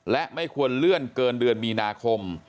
และไม่ควรเลื่อนเกินเดือนมีนาคม